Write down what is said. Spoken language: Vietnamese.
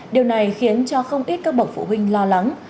điều này khiến cho không ít các bậc phụ huynh lo lắng